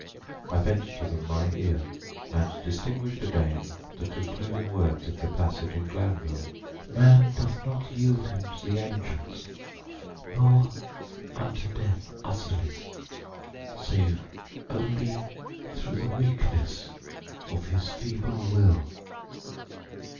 I bent to them my ear, and distinguished, again, the concluding words of the passage in Glanvill: "_Man doth not yield him to the angels, nor unto death utterly, save only through the weakness of his feeble will.